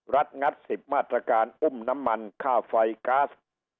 งัด๑๐มาตรการอุ้มน้ำมันค่าไฟก๊าซ